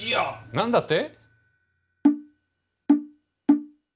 何だって？